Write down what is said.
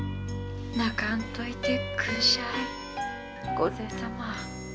泣かんといてくんしゃい御前様。